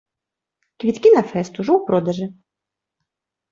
Квіткі на фэст ужо ў продажы.